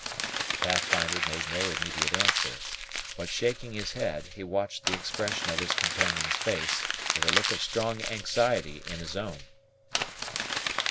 The Pathfinder made no immediate answer; but, shaking his head, he watched the expression of his companion's face, with a look of strong anxiety in his own.